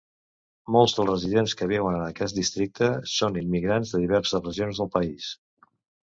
Molts dels residents que viuen en aquests districtes són immigrants de diverses regions del país.